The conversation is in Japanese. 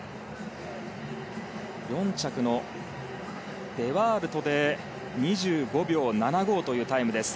４着のデ・ワールトで２５秒７５というタイムです。